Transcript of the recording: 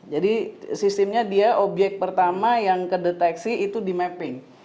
jadi sistemnya dia obyek pertama yang kedeteksi itu di mapping